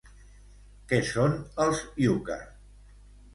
Què són els Yukar?